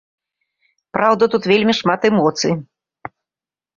Праўда, тут вельмі шмат эмоцый.